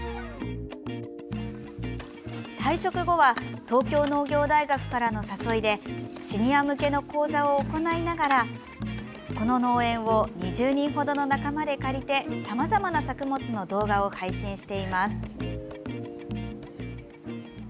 退職後は東京農業大学からの誘いでシニア向けの講座を行いながらこの農園を２０人ほどの仲間で借りてさまざまな作物の動画を配信しています。